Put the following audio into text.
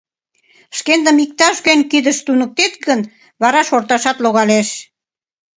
Шкендым иктаж-кӧн кидыш туныктет гын, вара шорташат логалеш…